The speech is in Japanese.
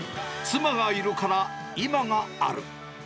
妻がいるから今がある。